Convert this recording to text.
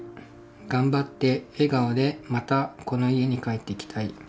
頑張って笑顔でまたこの家に帰ってきたい。